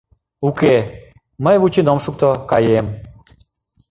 — Уке, мый вучен ом шукто, каем.